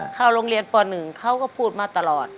เข้าโรงเรียนป๑เขาก็พูดมาตลอด